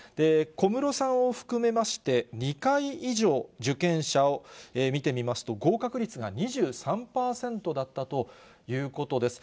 小室さんを含めまして、２回以上受験者を見てみますと、合格率が２３％だったということです。